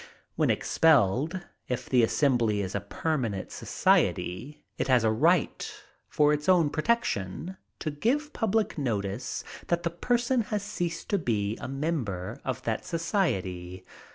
When expelled, if the assembly is a permanent society, it has a right, for its own protection, to give public notice that the person has ceased to be a member of that society.